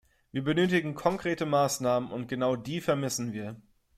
Wir benötigen konkrete Maßnahmen, und genau die vermissen wir.